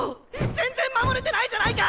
全然守れてないじゃないか！